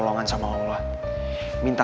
si boynya kayak kera banget